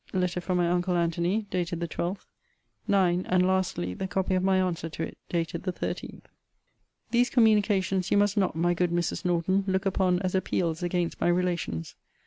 Letter from my uncle Antony ...... dated the 12th. 9. And lastly, the copy of my answer to it. dated the 13th. These communications you must not, my good Mrs. Norton, look upon as appeals against my relations.